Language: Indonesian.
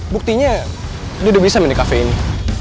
buktinya dia udah bisa menikah fei ini